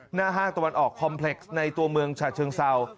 ห้างตะวันออกคอมเพล็กซ์ในตัวเมืองฉะเชิงเศร้า